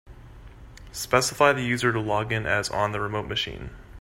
Specify the user to log in as on the remote machine.